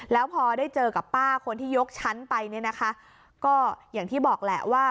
แล้วพอได้เจอกับป้าคนที่ยกชั้นไปเนี่ยนะคะก็อย่างที่บอกแหละว่า